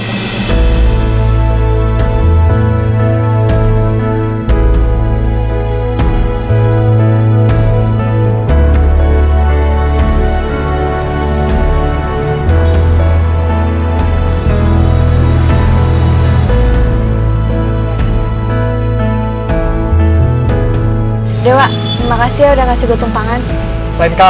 telah dimasuk duit mika